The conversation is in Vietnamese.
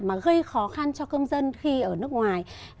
mà gây khó khăn cho công dân khi ở nước ngoài